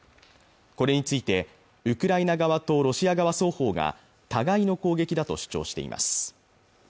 これについてウクライナ側とロシア側双方が互いの攻撃だと主張しています